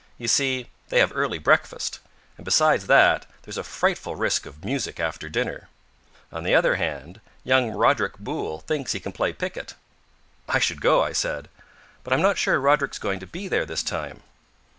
You see, they have early breakfast, and besides that there's a frightful risk of music after dinner. On the other hand, young Roderick Boole thinks he can play piquet." "I should go," I said. "But I'm not sure Roderick's going to be there this time."